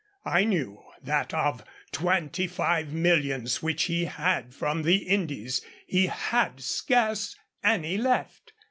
I knew that of twenty five millions which he had from the Indies, he had scarce any left.